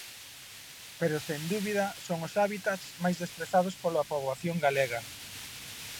Pero sen dúbida son os hábitats máis desprezados pola poboación galega.